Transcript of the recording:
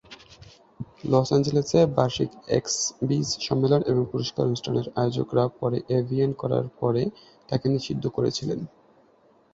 Loss অ্যাঞ্জেলেসে বার্ষিক এক্স-বিজ সম্মেলন এবং পুরস্কার অনুষ্ঠানের আয়োজকরা পরে এভিএন করার পরে তাকে নিষিদ্ধ করেছিলেন।